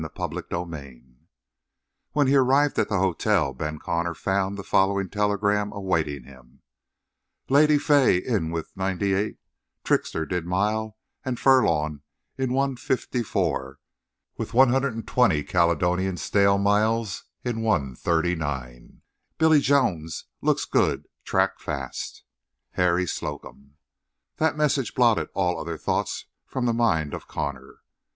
CHAPTER SIX When he arrived at the hotel Ben Connor found the following telegram awaiting him: Lady Fay in with ninety eight Trickster did mile and furlong in one fifty four with one hundred twenty Caledonian stale mile in one thirty nine Billy Jones looks good track fast. HARRY SLOCUM. That message blotted all other thoughts from the mind of Connor.